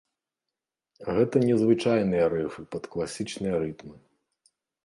Гэта не звычайныя рыфы пад класічныя рытмы.